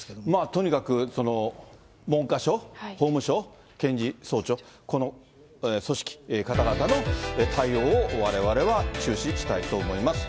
とにかく、文科相、法務省、検事総長、この組織、方々の対応をわれわれは注視したいと思います。